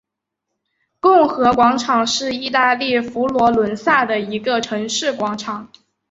共和广场是意大利佛罗伦萨的一个城市广场。